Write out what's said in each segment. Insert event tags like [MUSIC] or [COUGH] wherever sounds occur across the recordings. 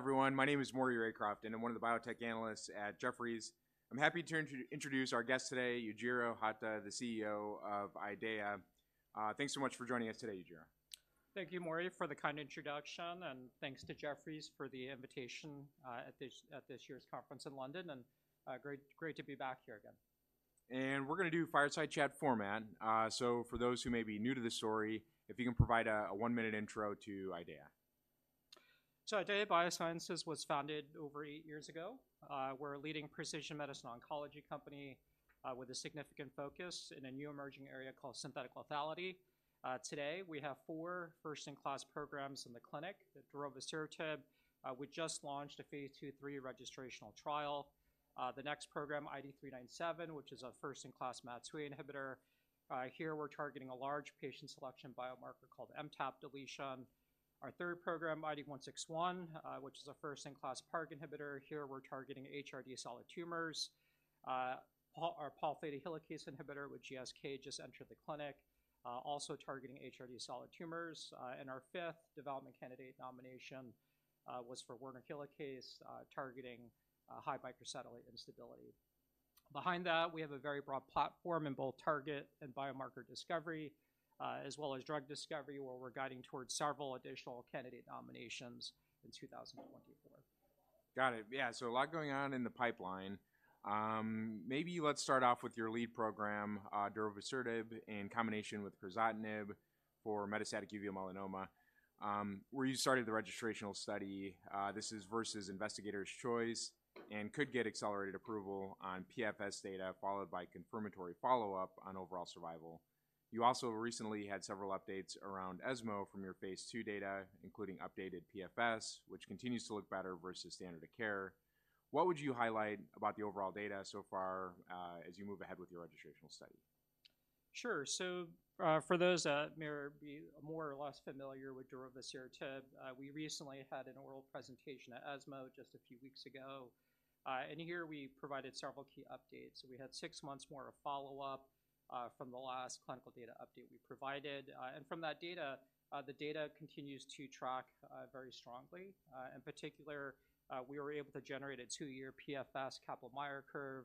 Hi, everyone. My name is Maury Raycroft, and I'm one of the biotech analysts at Jefferies. I'm happy to introduce our guest today, Yujiro Hata, the CEO of IDEAYA. Thanks so much for joining us today, Yujiro. Thank you, Maury, for the kind introduction, and thanks to Jefferies for the invitation at this year's conference in London. Great to be back here again. We're going to do fireside chat format, so for those who may be new to this story, if you can provide a one-minute intro to IDEAYA. IDEAYA Biosciences was founded over eight years ago. We're a leading precision medicine oncology company with a significant focus in a new emerging area called synthetic lethality. Today, we have four first-in-class programs in the clinic: Darovasertib, we just launched a phase II/III registrational trial. The next program, IDE397, which is a first-in-class MAT2A inhibitor, here we're targeting a large patient selection biomarker called MTAP deletion. Our third program, IDE161, which is a first-in-class PARG inhibitor, here we're targeting HRD solid tumors. Our Pol Theta Helicase inhibitor with GSK just entered the clinic, also targeting HRD solid tumors. And our fifth development candidate nomination was for Werner Helicase, targeting high microsatellite instability. Behind that, we have a very broad platform in both target and biomarker discovery, as well as drug discovery, where we're guiding towards several additional candidate nominations in 2024. Got it, yeah. So a lot going on in the pipeline. Maybe let's start off with your lead program, darovasertib in combination with crizotinib for metastatic uveal melanoma, where you started the registrational study. This is versus investigator's choice and could get accelerated approval on PFS data, followed by confirmatory follow-up on overall survival. You also recently had several updates around ESMO from your phase II data, including updated PFS, which continues to look better versus standard of care. What would you highlight about the overall data so far as you move ahead with your registrational study? Sure. So for those that may be more or less familiar with darovasertib: We recently had an oral presentation at ESMO just a few weeks ago. Here we provided several key updates. We had six months more of follow-up from the last clinical data update we provided. From that data, the data continues to track very strongly. In particular, we were able to generate a two-year PFS Kaplan-Meier curve.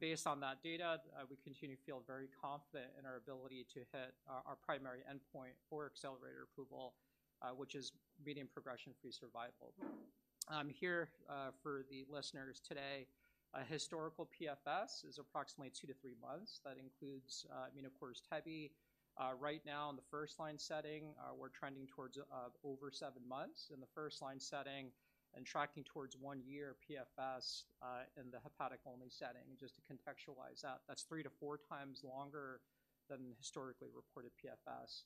Based on that data, we continue to feel very confident in our ability to hit our primary endpoint for accelerated approval, which is median progression-free survival. Here, for the listeners today, historical PFS is approximately two-three months. That includes Immunocore's tebe. Right now, in the first-line setting, we're trending towards over seven months in the first-line setting and tracking towards one-year PFS in the hepatic-only setting. Just to contextualize that: That's 3x-4x longer than historically reported PFS.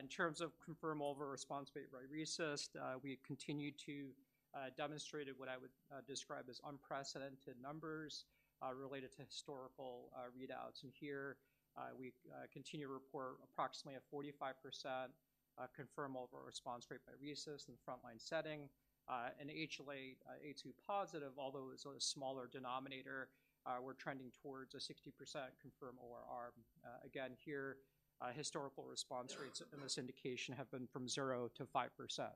In terms of confirmed overall response rate by RECIST, we continued to demonstrate what I would describe as unprecedented numbers related to historical readouts. And here, we continue to report approximately a 45% confirmed overall response rate by RECIST in the frontline setting. And HLA-A2 positive, although it's a smaller denominator, we're trending towards a 60% confirmed ORR. Again, here, historical response rates in this indication have been from 0%-5%,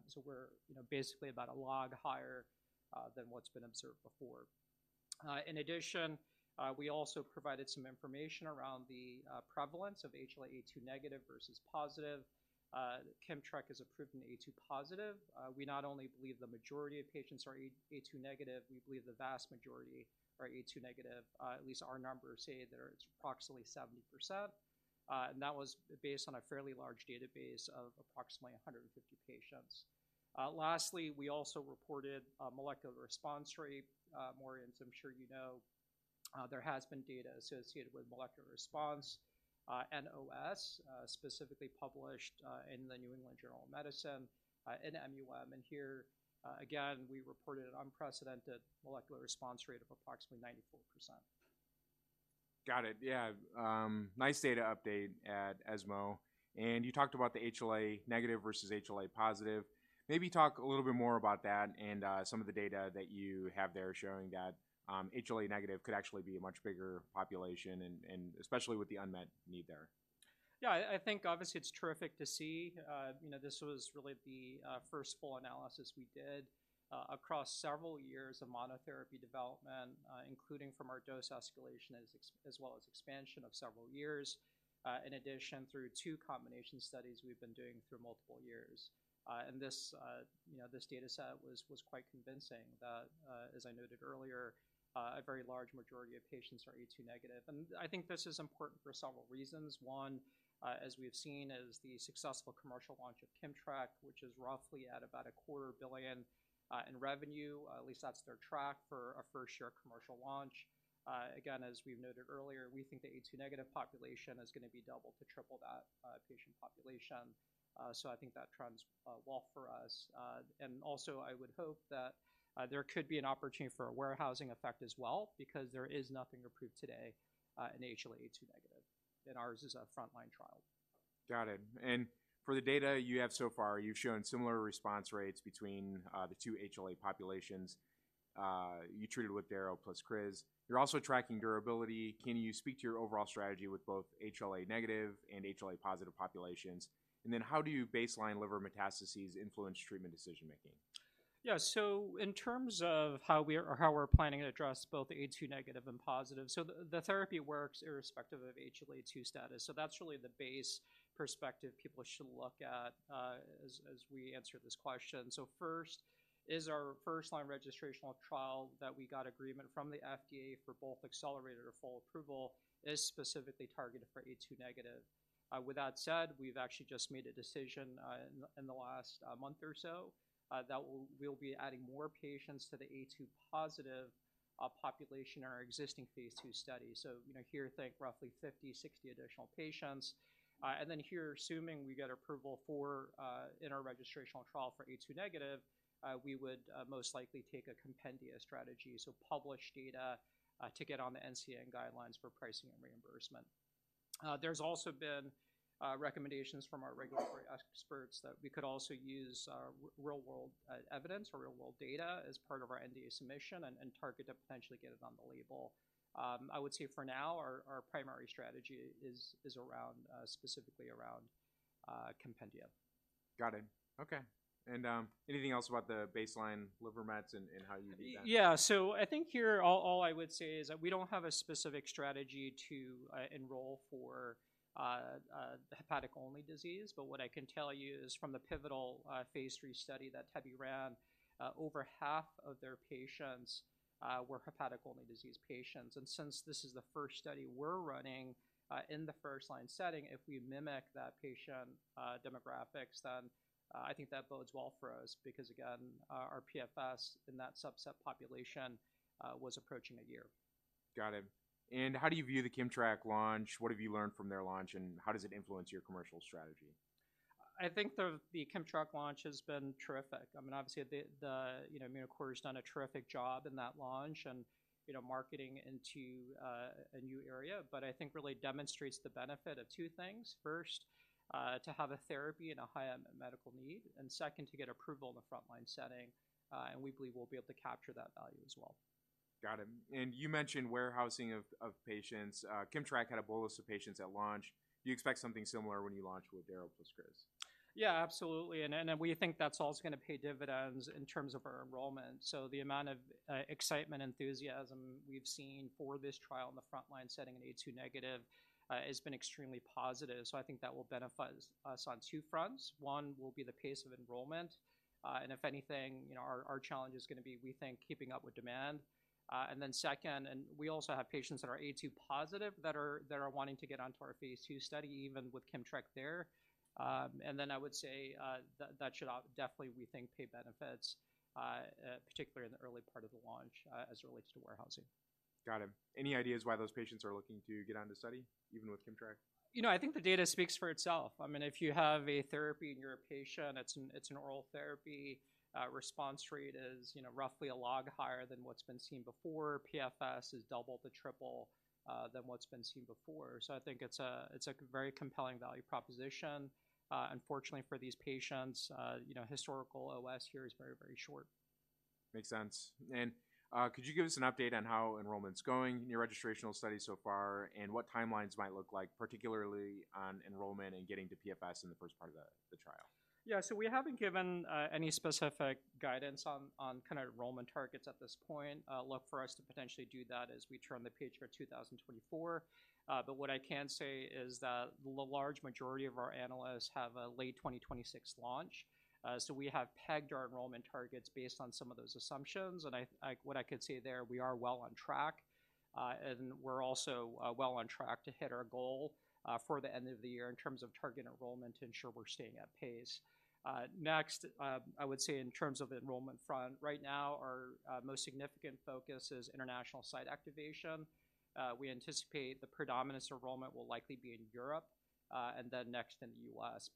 so we're basically about a log higher than what's been observed before. In addition, we also provided some information around the prevalence of HLA-A2 negative versus positive. KIMMTRAK is approved in A2 positive. We not only believe the majority of patients are A2 negative. We believe the vast majority are A2 negative. At least our numbers say that it's approximately 70%, and that was based on a fairly large database of approximately 150 patients. Lastly, we also reported a molecular response rate, Maury. And as I'm sure you know, there has been data associated with molecular response and OS, specifically published in the New England Journal of Medicine, in MUM. And here, again, we reported an unprecedented molecular response rate of approximately 94%. Got it, yeah, nice data update at ESMO, and you talked about the HLA negative versus HLA positive. Maybe talk a little bit more about that and some of the data that you have there showing that HLA negative could actually be a much bigger population and especially with the unmet need there. Yeah. I think obviously it's terrific to see. You know, this was really the first full analysis we did across several years of monotherapy development, including from our dose escalation as well as expansion of several years; in addition, through two combination studies we've been doing through multiple years. And this, you know, this data set was quite convincing that, as I noted earlier, a very large majority of patients are A2 negative. And I think this is important for several reasons. One, as we've seen, is the successful commercial launch of KIMMTRAK, which is roughly at about $250 million in revenue, at least that's their track, for a first year of commercial launch. Again, as we've noted earlier, we think the HLA-A2-negative population is going to be double to triple that patient population, so I think that trends well for us. And also I would hope that there could be an opportunity for a warehousing effect as well because there is nothing approved today in HLA-A2 negative, and ours is a frontline trial. Got it. And for the data you have so far, you've shown similar response rates between the two HLA populations. You treated with daro plus criz. You're also tracking durability. Can you speak to your overall strategy with both HLA-negative and HLA-positive populations? And then how do you baseline liver metastases influenced treatment decision making? Yes. So in terms of how we are or how we're planning to address both the A2 negative and positive. So the therapy works irrespective of HLA-A2 status. So that's really the base perspective people should look at as we answer this question. So first is our first-line registrational trial that we got agreement from the FDA for both accelerated or full approval and specifically targeted for A2 negative. With that said, we've actually just made a decision in the last month or s that we'll be adding more patients to the A2-positive population in our existing phase II study. So, you know, here think roughly 50, 60 additional patients. And then here, assuming we get approval for in our registrational trial for A2 negative, we would most likely take a compendia strategy, so publish data to get on the NCCN guidelines for pricing and reimbursement. There's also been recommendations from our regulatory experts that we could also use real-world evidence or real-world data as part of our NDA submission and target to potentially get it on the label. I would say for now our primary strategy is around specifically around compendia. Got it. Okay. And anything else about the baseline liver mets and how you? [CROSSTALK] Yeah. So I think here all I would say is that we don't have a specific strategy to enroll for hepatic-only disease, but what I can tell you is, from the pivotal phase III study that tebe ran, over half of their patients were hepatic-only disease patients. And since this is the first study we're running in the first-line setting, if we mimic that patient demographics, then I think that bodes well for us because, again, our PFS in that subset population was approaching a year. Got it. How do you view the KIMMTRAK launch? What have you learned from their launch, and how does it influence your commercial strategy? I think the KIMMTRAK launch has been terrific. I mean, obviously, you know, Immunocore has done a terrific job in that launch and, you know, marketing into a new area but I think really demonstrates the benefit of two things: first, to have a therapy in a high unmet medical need; and second, to get approval in the frontline setting. And we believe we'll be able to capture that value as well. Got it. And you mentioned warehousing of patients. KIMMTRAK had a bolus of patients at launch. Do you expect something similar when you launch with daro plus criz? Yeah, absolutely. And we think that's also going to pay dividends in terms of our enrollment. So the amount of excitement and enthusiasm we've seen for this trial in the frontline setting in A2 negative has been extremely positive. So I think that will benefit us on two fronts. One will be the pace of enrollment, and if anything, you know, our challenge is gonna be, we think, keeping up with demand. And then second, we also have patients that are A2 positive that are wanting to get onto our phase II study, even with KIMMTRAK there. And then I would say that should definitely, we think, pay benefits, particularly in the early part of the launch, as it relates to warehousing. Got it. Any ideas why those patients are looking to get on the study even with KIMMTRAK? [CROSSTALK] You know, I think the data speaks for itself. I mean if you have a therapy and you're a patient. It's an oral therapy. Response rate is, you know, roughly a log higher than what's been seen before. PFS is double to triple than what's been seen before, so I think it's a very compelling value proposition. Unfortunately, for these patients, you know, historical OS here is very, very short. Makes sense. And could you give us an update on how enrollment's going in your registrational study so far and what timelines might look like, particularly on enrollment and getting to PFS in the first part of the trial? Yeah. So we haven't given any specific guidance on kind of enrollment targets at this point. Look for us to potentially do that as we turn the page for 2024. But what I can say is that the large majority of our analysts have a late 2026 launch. So we have pegged our enrollment targets based on some of those assumptions, and what I can say there, we are well on track. And we're also well on track to hit our goal for the end of the year in terms of target enrollment to ensure we're staying at pace. Next I would say in terms of the enrollment front, right now, our most significant focus is international site activation. We anticipate the predominance enrollment will likely be in Europe, and then next in the U.S.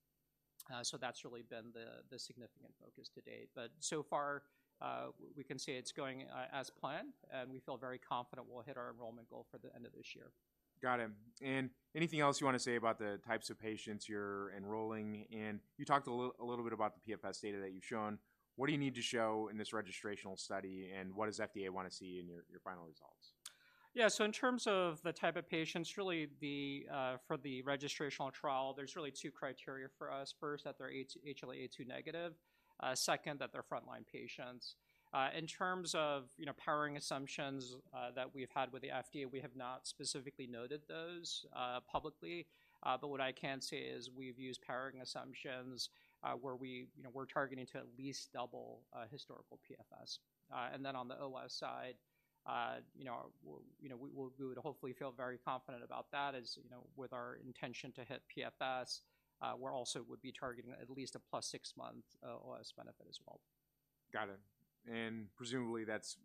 So that's really been the significant focus to date. But so far, we can say it's going as planned, and we feel very confident we'll hit our enrollment goal for the end of this year. Got it. Anything else you want to say about the types of patients you're enrolling? And you talked a little bit about the PFS data that you've shown. What do you need to show in this registrational study, and what does the FDA want to see in your final results? Yeah. So in terms of the type of patients, really the, for the registrational trial, there's really two criteria for us: first, that they're HLA-A2 negative; second, that they're frontline patients. In terms of, you know, powering assumptions that we've had with the FDA, we have not specifically noted those publicly, but what I can say is we've used powering assumptions where, you know, we're targeting to at least double historical PFS. And then on the OS side, you know, we'll, you know, we would hopefully feel very confident about that. As you know, with our intention to hit PFS, we're also would be targeting at least a plus-6-month OS benefit as well. Got it. And presumably, that's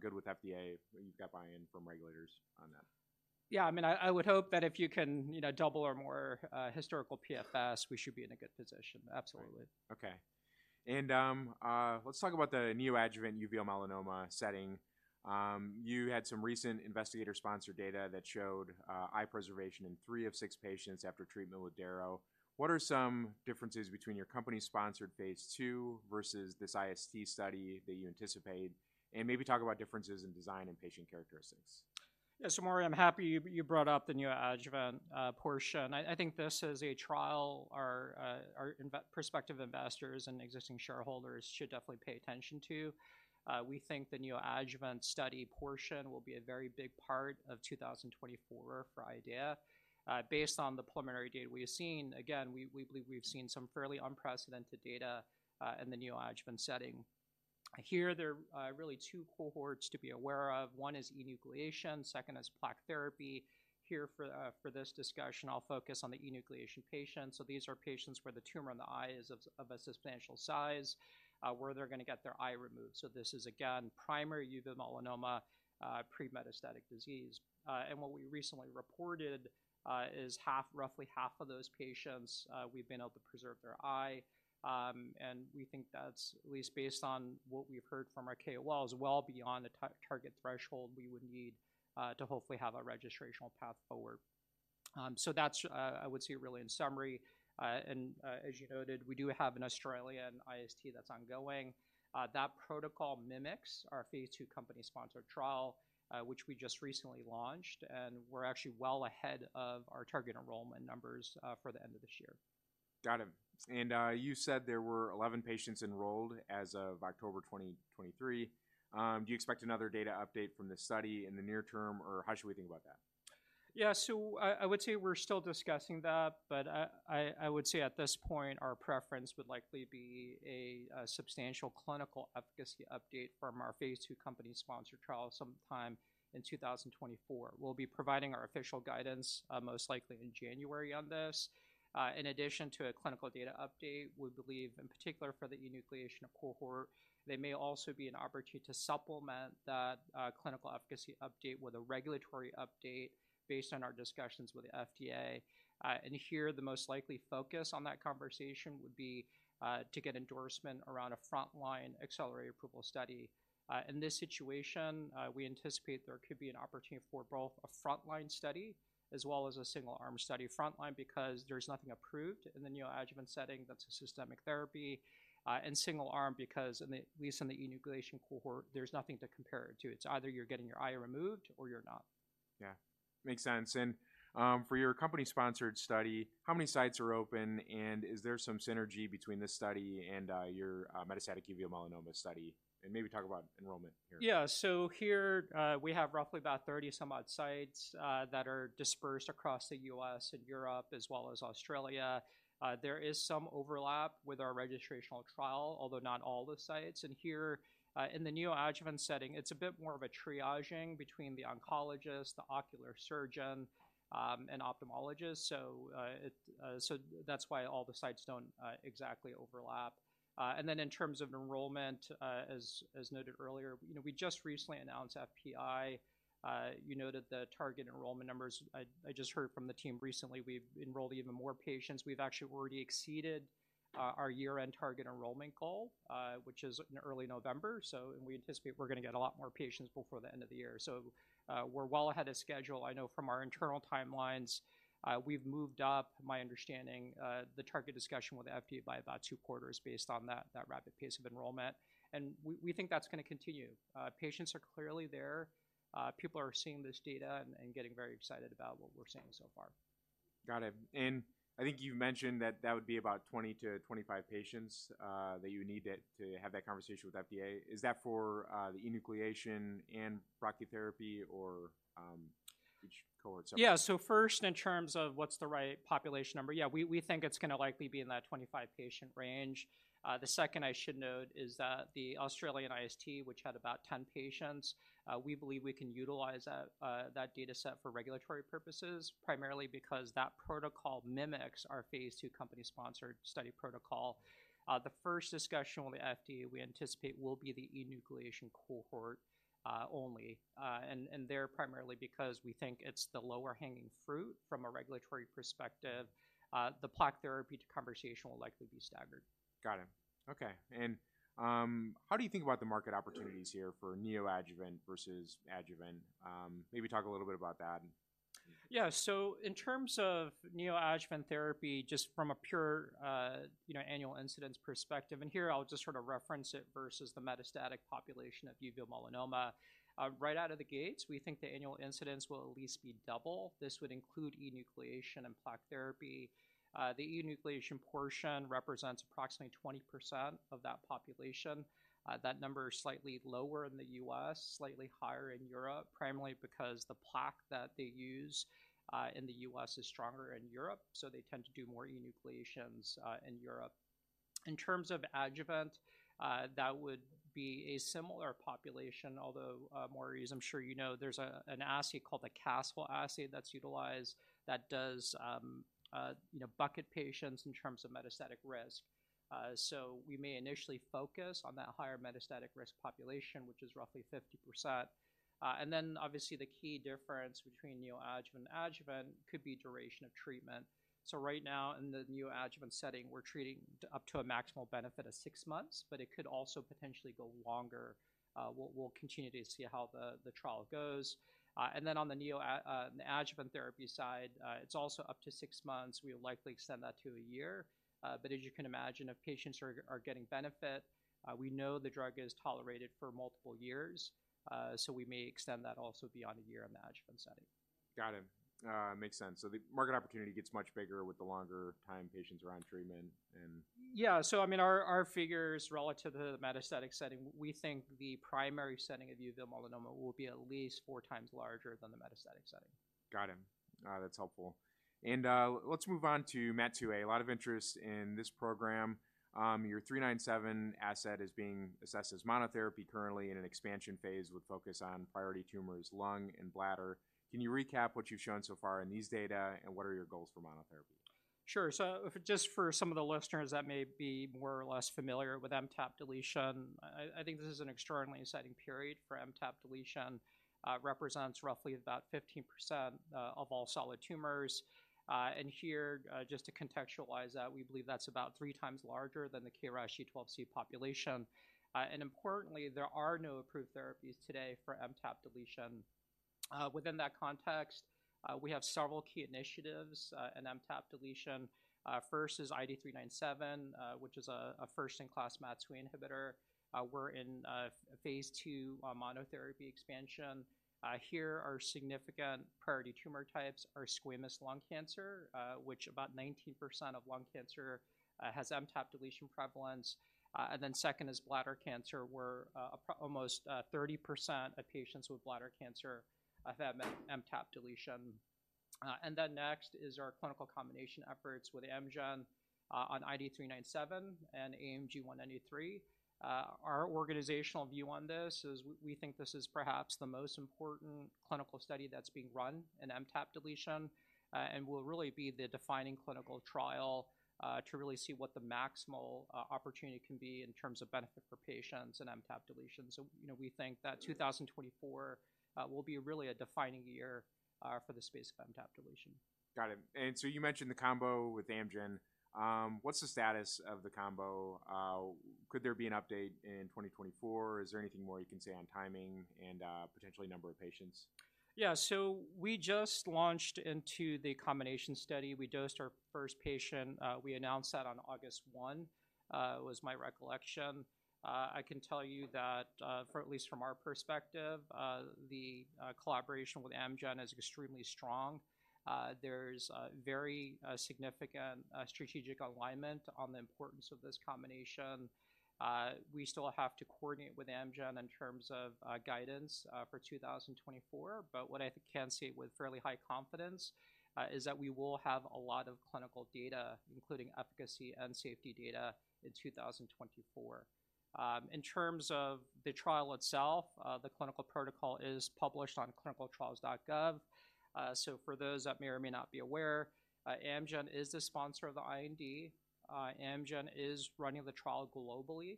good with FDA. You've got buy-in from regulators on that. Yeah. I mean I would hope that if you can, you know, double or more historical PFS, we should be in a good position, absolutely. Okay. And let's talk about the neoadjuvant uveal melanoma setting. You had some recent investigator-sponsored data that showed eye preservation in three of six patients after treatment with daro. What are some differences between your company-sponsored phase II versus this IST study that you anticipate? And maybe talk about differences in design and patient characteristics. Yeah. So Maury, I'm happy you brought up the neoadjuvant portion. I think this is a trial our prospective investors and existing shareholders should definitely pay attention to. We think the neoadjuvant study portion will be a very big part of 2024 for IDEAYA. Based on the preliminary data we have seen, again, we believe we've seen some fairly unprecedented data in the neoadjuvant setting. Here, there are really two cohorts to be aware of. One is enucleation. Second is plaque therapy. Here for this discussion, I'll focus on the enucleation patients. So these are patients where the tumor in the eye is of a substantial size, where they're going to get their eye removed. So this is, again, primary uveal melanoma pre metastatic disease. And what we recently reported is, half, roughly half, of those patients, we've been able to preserve their eye. And we think that's, at least based on what we've heard from our KOLs, well beyond the target threshold we would need to hopefully have a registrational path forward. So that's, I would say, really in summary, and as you noted, we do have an Australian IST that's ongoing. That protocol mimics our phase II company-sponsored trial which we just recently launched, and we're actually well ahead of our target enrollment numbers for the end of this year. Got it. And, you said there were 11 patients enrolled as of October 2023. Do you expect another data update from this study in the near term? Or how should we think about that? Yeah. So I would say we're still discussing that, but I would say at this point our preference would likely be a substantial clinical efficacy update from our phase II company-sponsored trial sometime in 2024. We'll be providing our official guidance most likely in January on this, in addition to a clinical data update, we believe, in particular for the enucleation cohort. There may also be an opportunity to supplement that clinical efficacy update with a regulatory update based on our discussions with the FDA. And here, the most likely focus on that conversation would be to get endorsement around a frontline accelerated approval study. In this situation, we anticipate there could be an opportunity for both a frontline study as well as a single-arm study. Frontline because there's nothing approved in the neoadjuvant setting that's a systemic therapy; and single arm because in the, at least in the enucleation cohort, there's nothing to compare it to. It's either you're getting your eye removed or you're not. Yeah, makes sense. And, for your company-sponsored study, how many sites are open? And is there some synergy between this study and your metastatic uveal melanoma study? And maybe talk about enrollment here. Yeah. So here, we have roughly about 30-some-odd sites that are dispersed across the U.S. and Europe, as well as Australia. There is some overlap with our registrational trial, although not all the sites. And here, in the neoadjuvant setting, it's a bit more of a triaging between the oncologist, the ocular surgeon, and ophthalmologist, so it so that's why all the sites don't exactly overlap. And then in terms of enrollment, as noted earlier, you know, we just recently announced FPI. You noted the target enrollment numbers. I just heard from the team recently we've enrolled even more patients. We've actually already exceeded our year-end target enrollment goal, which is in early November. So and we anticipate we're going to get a lot more patients before the end of the year. We're well ahead of schedule. I know, from our internal timelines, we've moved up, my understanding, the target discussion with the FDA by about two quarters based on that rapid pace of enrollment, and we think that's going to continue. Patients are clearly there. People are seeing this data and getting very excited about what we're seeing so far. Got it. I think you've mentioned that that would be about 20-25 patients that you need to have that conversation with FDA. Is that for the enucleation and brachytherapy? Or each cohort. [CROSSTALK] Yeah. So first, in terms of what's the right population number, yeah, we think it's going to likely be in that 25-patient range. The second I should note is that the Australian IST, which had about 10 patients, we believe we can utilize that data set for regulatory purposes, primarily because that protocol mimics our phase II company-sponsored study protocol. The first discussion with the FDA, we anticipate, will be the enucleation cohort only, and there primarily because we think it's the lower-hanging fruit from a regulatory perspective. The plaque therapy conversation will likely be staggered. Got it. Okay. And how do you think about the market opportunities here for neoadjuvant versus adjuvant? Maybe talk a little bit about that. Yeah. So in terms of neoadjuvant therapy, just from a pure, you know, annual incidence perspective, and here I'll just sort of reference it versus the metastatic population of uveal melanoma: Right out of the gates, we think the annual incidence will at least be double. This would include enucleation and plaque therapy. The enucleation portion represents approximately 20% of that population. That number is slightly lower in the U.S., slightly higher in Europe, primarily because the plaque that they use in the U.S. is stronger in Europe so they tend to do more enucleations in Europe. In terms of adjuvant, that would be a similar population, although, Maury, as I'm sure you know, there's an assay called the Castle assay that's utilized, that does, you know, bucket patients in terms of metastatic risk. So we may initially focus on that higher-metastatic-risk population, which is roughly 50%. And then obviously, the key difference between neoadjuvant and adjuvant could be duration of treatment. So right now, in the neoadjuvant setting, we're treating up to a maximal benefit of six months, but it could also potentially go longer. We'll continue to see how the trial goes. And then on the adjuvant therapy side, it's also up to six months. We'll likely extend that to a year, but as you can imagine, if patients are getting benefit, we know the drug is tolerated for multiple years, so we may extend that also beyond a year in the adjuvant setting. Got it. Makes sense. So the market opportunity gets much bigger with the longer time patients are on treatment and. [CROSSTALK] Yeah. So I mean, our figures relative to the metastatic setting, we think the primary setting of uveal melanoma will be at least 4x larger than the metastatic setting. Got it. That's helpful. Let's move on to MAT2A. A lot of interest in this program. Your IDE397 asset is being assessed as monotherapy currently in an expansion phase, with focus on priority tumors lung and bladder. Can you recap what you've shown so far in these data? And what are your goals for monotherapy? Sure. So just for some of the listeners that may be more or less familiar with MTAP deletion: I think this is an extraordinarily exciting period for MTAP deletion, represents roughly about 15% of all solid tumors. And here, just to contextualize that, we believe that's about 3x larger than the KRAS G12C population. And importantly, there are no approved therapies today for MTAP deletion. Within that context, we have several key initiatives in MTAP deletion. First is IDE397, which is a first-in-class MAT2A inhibitor. We're in phase II monotherapy expansion. Here, our significant priority tumor types are squamous lung cancer, which about 19% of lung cancer has MTAP deletion prevalence. And then second is bladder cancer, where almost 30% of patients with bladder cancer [have] MTAP deletion. And then next is our clinical combination efforts with Amgen on IDE397 and AMG 193. Our organizational view on this is we think this is perhaps the most important clinical study that's being run in MTAP deletion and will really be the defining clinical trial to really see what the maximal opportunity can be in terms of benefit for patients in MTAP deletion. So, you know, we think that 2024 will be really a defining year for the space of MTAP deletion. Got it. And so you mentioned the combo with Amgen. What's the status of the combo? Could there be an update in 2024? Is there anything more you can say on timing and potentially number of patients? Yeah. So we just launched into the combination study. We dosed our first patient. We announced that on August 1, was my recollection. I can tell you that, for at least from our perspective, the collaboration with Amgen is extremely strong. There's a very significant strategic alignment on the importance of this combination. We still have to coordinate with Amgen in terms of guidance for 2024, but what I can say with fairly high confidence is that we will have a lot of clinical data, including efficacy and safety data, in 2024. In terms of the trial itself, the clinical protocol is published on ClinicalTrials.gov. So for those that may or may not be aware, Amgen is the sponsor of the IND. Amgen is running the trial globally.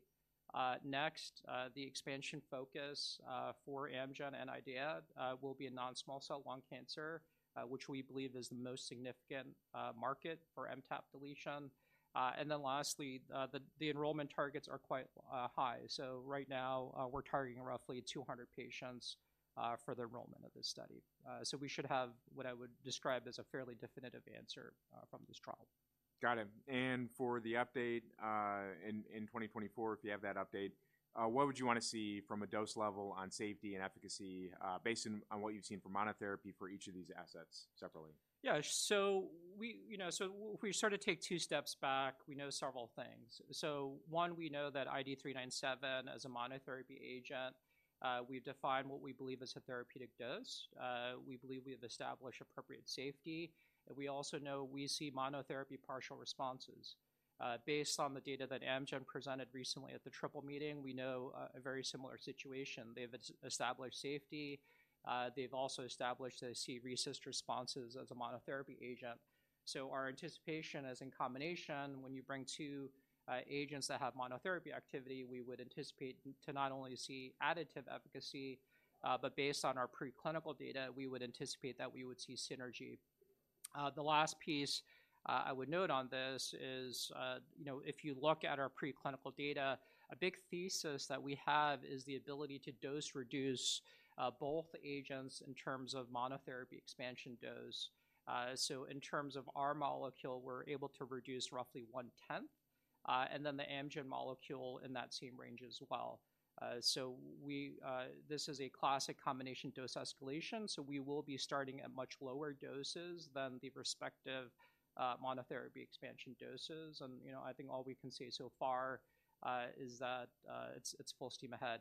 Next, the expansion focus for Amgen and IDEAYA will be non-small cell lung cancer, which we believe is the most significant market for MTAP deletion. And then lastly, the enrollment targets are quite high. So right now, we're targeting roughly 200 patients for the enrollment of this study, Ss we should have what I would describe as a fairly definitive answer from this trial. Got it. And for the update in 2024, if you have that update, what would you want to see from a dose level on safety and efficacy, based on what you've seen from monotherapy for each of these assets separately? Yeah. So you know, so if we sort of take two steps back, we know several things. So one, we know that, IDE397 as a monotherapy agent, we've defined what we believe is a therapeutic dose. We believe we have established appropriate safety, and we also know we see monotherapy partial responses. Based on the data that Amgen presented recently at the Triple Meeting, we know a very similar situation. They've established safety. They've also established they see RECIST responses as a monotherapy agent. So our anticipation is, in combination, when you bring two agents that have monotherapy activity, we would anticipate to not only see additive efficacy, but based on our preclinical data, we would anticipate that we would see synergy. The last piece I would note on this is, you know, if you look at our preclinical data, a big thesis that we have is the ability to dose reduce both agents in terms of monotherapy expansion dose. So in terms of our molecule, we're able to reduce roughly 1/10, and then the Amgen molecule in that same range as well. So we, this is a classic combination dose escalation, so we will be starting at much lower doses than the respective monotherapy expansion doses. And, you know, I think all we can say so far is that it's full steam ahead.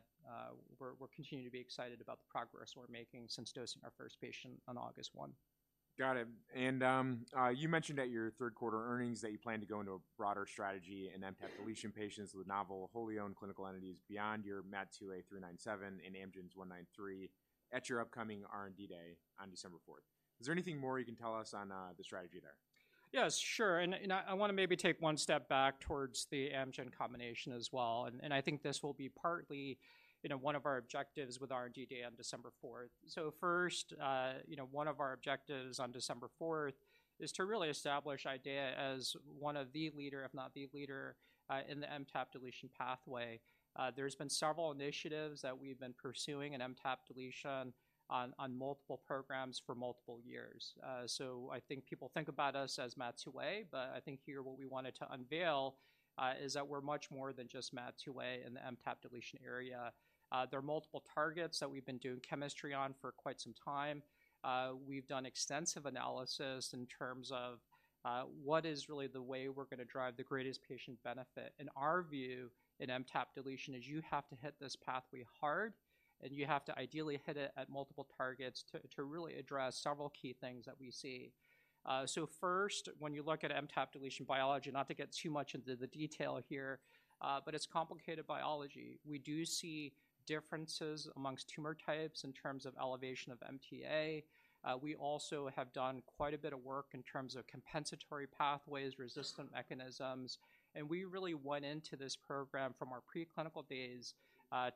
We're continuing to be excited about the progress we're making since dosing our first patient on August 1. Got it. And you mentioned at your third quarter earnings that you plan to go into a broader strategy in MTAP deletion patients with novel wholly owned clinical entities beyond your MAT2A IDE397 and Amgen's AMG 193 at your upcoming R&D Day on December 4th. Is there anything more you can tell us on the strategy there? Yes, sure. And I want to maybe take one step back towards the Amgen combination as well, and I think this will be partly, you know, one of our objectives with R&D Day on December 4th. So first, you know, one of our objectives on December 4th is to really establish IDEAYA as one of the leaders, if not the leader, in the MTAP deletion pathway. There's been several initiatives that we've been pursuing in MTAP deletion on multiple programs for multiple years, so I think people think about us as MAT2A, but I think here what we wanted to unveil is that we're much more than just MAT2A in the MTAP deletion area. There are multiple targets that we've been doing chemistry on for quite some time. We've done extensive analysis in terms of what is really the way we're going to drive the greatest patient benefit. In our view in MTAP deletion is you have to hit this pathway hard, and you have to ideally hit it at multiple targets to really address several key things that we see. So first, when you look at MTAP deletion biology, not to get too much into the detail here, but it's complicated biology. We do see differences amongst tumor types in terms of elevation of MTA. We also have done quite a bit of work in terms of compensatory pathways, resistant mechanisms, and we really went into this program from our preclinical phase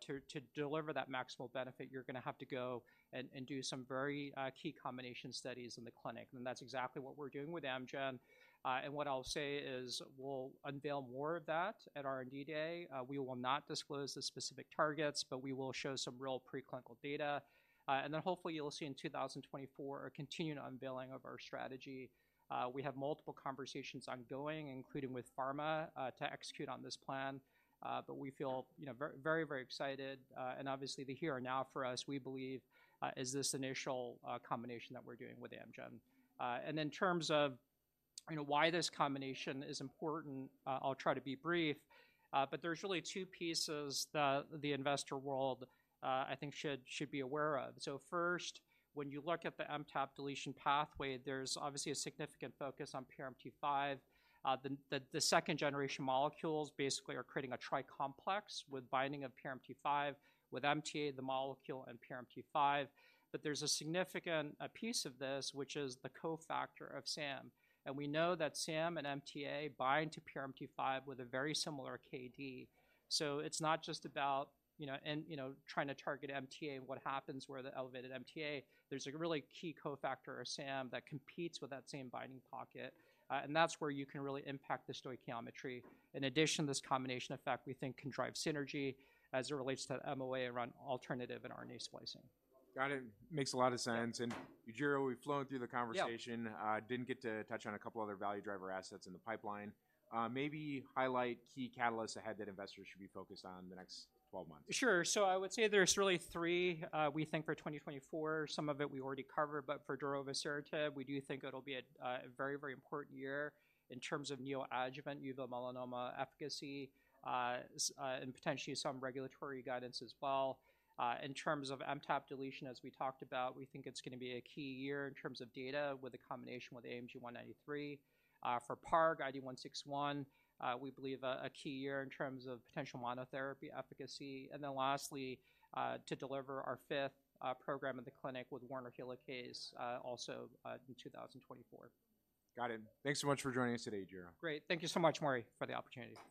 to deliver that maximal benefit. You're going to have to go and do some very key combination studies in the clinic, and that's exactly what we're doing with Amgen. And what I'll say is we'll unveil more of that at R&D Day. We will not disclose the specific targets, but we will show some real preclinical data. And then hopefully you'll see in 2024 a continued unveiling of our strategy. We have multiple conversations ongoing, including with pharma, to execute on this plan, but we feel, you know, very, very excited. And obviously, the here and now for us, we believe, is this initial combination that we're doing with Amgen. And in terms of, you know, why this combination is important, I'll try to be brief, but there's really two pieces that the investor world, I think, should be aware of. So first, when you look at the MTAP deletion pathway, there's obviously a significant focus on PRMT5. The second generation molecules basically are creating a tricomplex with binding of PRMT5, with MTA, the molecule, and PRMT5, but there's a significant piece of this, which is the cofactor of SAM, and we know that SAM and MTA bind to PRMT5 with a very similar KD. So it's not just about, you know, trying to target MTA, what happens where the elevated MTA. There's a really key cofactor of SAM that competes with that same binding pocket, and that's where you can really impact the stoichiometry. In addition, this combination effect, we think, can drive synergy as it relates to MOA around alternative and RNA splicing. Got it. Makes a lot of sense. Yujiro, we've flown through the conversation. Yeah. Didn't get to touch on a couple of other value driver assets in the pipeline. Maybe highlight key catalysts ahead that investors should be focused on in the next 12 months. Sure. So I would say there's really three we think for 2024, some of it we already covered, but for darovasertib, we do think it'll be a very, very important year in terms of neoadjuvant uveal melanoma efficacy and potentially some regulatory guidance as well. In terms of MTAP deletion, as we talked about, we think it's going to be a key year in terms of data with a combination with AMG 193. For PARG, IDE161, we believe a key year in terms of potential monotherapy efficacy. And then lastly, to deliver our fifth program in the clinic with Werner Helicase, also, in 2024. Got it. Thanks so much for joining us today, Yujiro. Great. Thank you so much, Maury, for the opportunity.